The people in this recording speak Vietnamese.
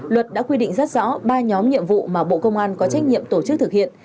luật đã quy định rất rõ ba nhóm nhiệm vụ mà bộ công an có trách nhiệm tổ chức thực hiện